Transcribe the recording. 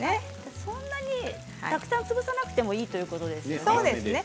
そんなにたくさん潰さなくていいということですね。